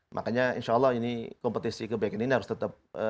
makanya insya allah ini kompetisi kebaikan ini harus tetap